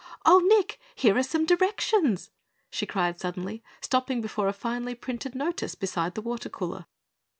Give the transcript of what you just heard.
"Oh, Nick, here are some directions!" she cried suddenly, stopping before a finely printed notice beside the water cooler.